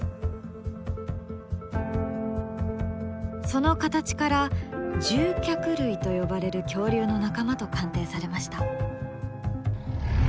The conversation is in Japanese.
その形から獣脚類と呼ばれる恐竜の仲間と鑑定されました。